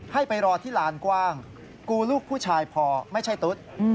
ให้ไปรอที่ลานกว้างกูลูกผู้ชายพอไม่ใช่ตุ๊ด